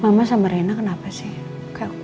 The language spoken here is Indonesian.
mama sama rena kenapa sih